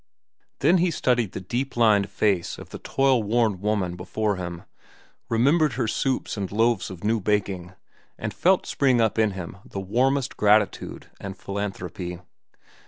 Then he studied the deep lined face of the toil worn woman before him, remembered her soups and loaves of new baking, and felt spring up in him the warmest gratitude and philanthropy.